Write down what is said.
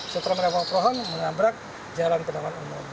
setelah menabrak pohon menabrak jalan penanganan